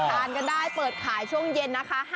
ทานกันได้เปิดขายช่วงเย็นนะคะ